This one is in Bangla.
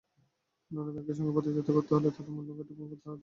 অন্যান্য ব্যাংকের সঙ্গে প্রতিযোগিতা করতে হলে তাদের মূলধন ঘাটতি পূরণ করতেই হবে।